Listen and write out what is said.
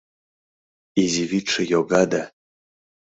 Изи вӱдшӧ йога да